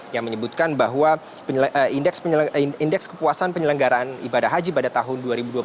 yang menyebutkan bahwa indeks kepuasan penyelenggaraan ibadah haji pada tahun dua ribu dua puluh